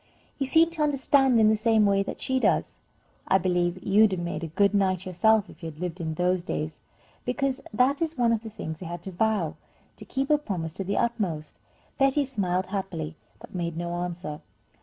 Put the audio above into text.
You seem to understand in the same way that she does. I believe you'd have made a good knight yourself if you had lived in those days, because that is one of the things they had to vow, to keep a promise to the utmost." Betty smiled happily, but made no answer.